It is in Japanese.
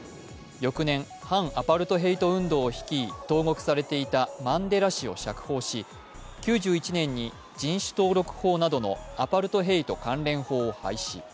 翌年、反アパルトヘイト運動を率い投獄されていたマンデラ氏を釈放し、９１年に人種登録法などのアパルトヘイト関連法を廃止。